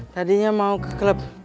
tadinya mau ke klub